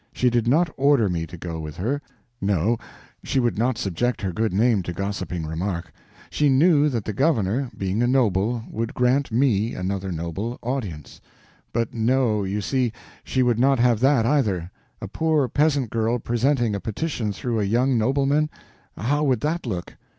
She did not order me to go with her; no, she would not subject her good name to gossiping remark. She knew that the governor, being a noble, would grant me, another noble, audience; but no, you see, she would not have that, either. A poor peasant girl presenting a petition through a young nobleman—how would that look?